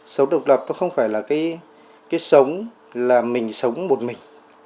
sống độc lập nó không phải là cái sống là mình sống một mình